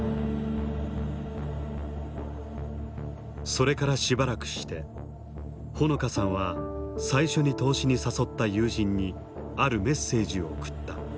それからしばらくして穂野香さんは最初に投資に誘った友人にあるメッセージを送った。